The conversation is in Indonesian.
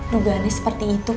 dugaan nya seperti itu pak